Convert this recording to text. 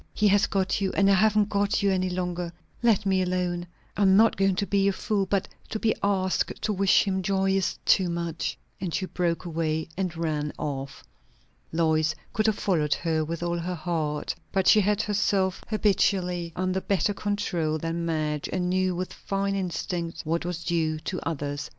"He has got you, and I haven't got you any longer. Let me alone I am not going to be a fool, but to be asked to wish him joy is too much." And she broke away and ran off. Lois could have followed her with all her heart; but she had herself habitually under better control than Madge, and knew with fine instinct what was due to others.